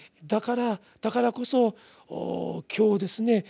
だからだからこそ今日ですね